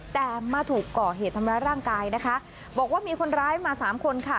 แต่มาถูกก่อเหตุทำร้ายร่างกายนะคะบอกว่ามีคนร้ายมาสามคนค่ะ